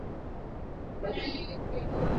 ameendelea kung ang ania madaraka na kukataa kumpisha